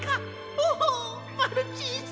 おおマルチーズ！